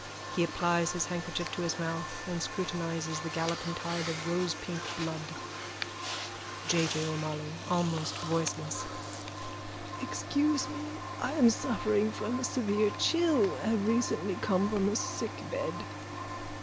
He applies his handkerchief to his mouth and scrutinises the galloping tide of rosepink blood.)_ J. J. O'MOLLOY: (Almost voicelessly.) Excuse me. I am suffering from a severe chill, have recently come from a sickbed.